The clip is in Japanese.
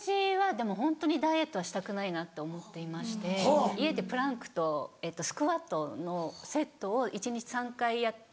でもホントにダイエットはしたくないなと思っていまして家でプランクとスクワットのセットを一日３回毎日。